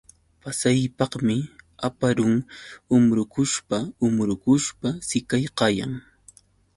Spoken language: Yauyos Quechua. Pasaypaqmi aparun umbrukushpa umbrukushpa siqaykayan.